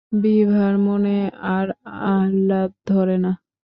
বিভার মনে আর আহ্লাদ ধরে না।